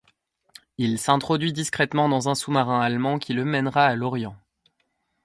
Il s'introduit discrètement dans un sous-marin allemand qui le mènera à Lorient.